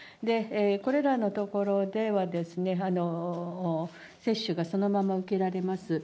これらの所では接種がそのまま受けられます。